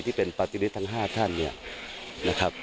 ที่เป็นภัติศัพท์นี้ทั้ง๕ท่าน